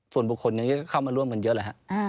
ส่วนบุคคลนี้ก็เข้ามาร่วมกันเยอะแหละฮะ